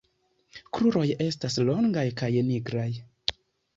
Kruroj estas longaj kaj nigraj.